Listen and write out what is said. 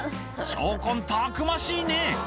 商魂たくましいね